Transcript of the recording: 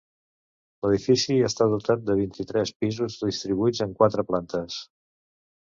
L'edifici està dotat de vint-i-tres pisos distribuïts en quatre plantes.